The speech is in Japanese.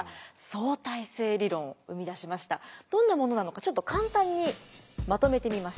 どんなものなのかちょっと簡単にまとめてみました。